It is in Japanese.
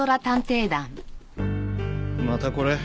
またこれ？